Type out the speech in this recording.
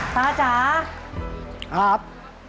ตาจ๋าครับ